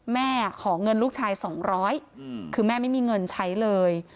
แม่ขอเงินลูกชาย๒๐๐คือแม่ไม่มีเงินใช้เลย